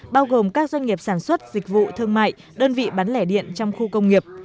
bao gồm các doanh nghiệp sản xuất dịch vụ thương mại đơn vị bán lẻ điện trong khu công nghiệp